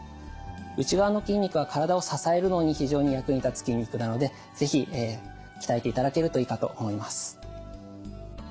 内側の筋肉は体を支えるのに非常に役に立つ筋肉なので是非鍛えていただけるといいかと思います。